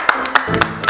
apa yang digunakan strawa